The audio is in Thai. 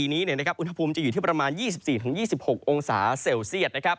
นี้อุณหภูมิจะอยู่ที่ประมาณ๒๔๒๖องศาเซลเซียต